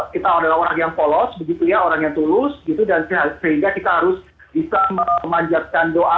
kita adalah orang yang polos begitu ya orang yang tulus gitu dan sehingga kita harus bisa memanjatkan doa